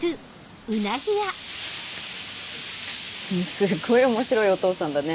すっごい面白いお父さんだね。